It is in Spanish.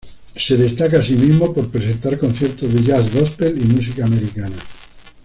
Se destaca asimismo por presentar conciertos de jazz, gospel y música americana.